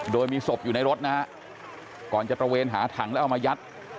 โดยมีศพอยู่ในรถนะฮะก่อนจะตระเวนหาถังแล้วเอามายัด